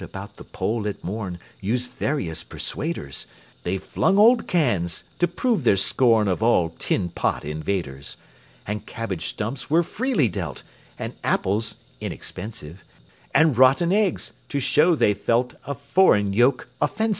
The crowd about the pole at morn Used various "persuaders" They flung old cans (to prove their scorn Of all tin pot invaders); And cabbage stumps were freely dealt, And apples (inexpensive), And rotten eggs (to show they felt A foreign yoke offensive).